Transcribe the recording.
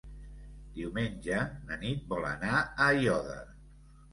Diumenge na Nit vol anar a Aiòder.